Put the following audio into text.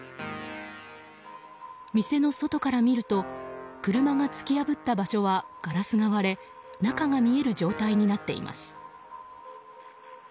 店の外から見ると車が突き破った場所はガラスが割れ中が見える状態になっています。